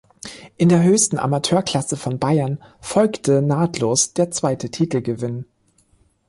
In der höchsten Amateurklasse von Bayern folgte nahtlos der zweite Titelgewinn.